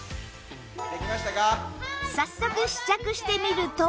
早速試着してみると